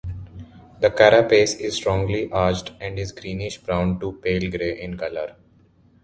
The carapace is strongly arched and is greenish brown to pale gray in color.